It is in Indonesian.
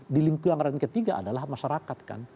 di lingkungan yang ketiga adalah masyarakat kan